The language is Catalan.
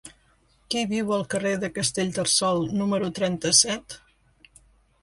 Qui viu al carrer de Castellterçol número trenta-set?